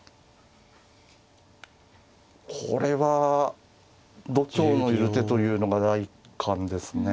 これは度胸のいる手というのが第一感ですね。